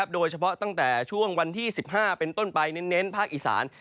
โดยเฉพาะตั้งแต่ช่วงวันที่๑๕เป็นต้นไปเน้นภาคอีสาน